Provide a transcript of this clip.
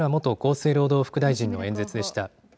生労働副大臣の演説でした。